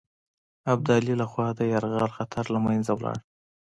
ابدالي له خوا د یرغل خطر له منځه ولاړ.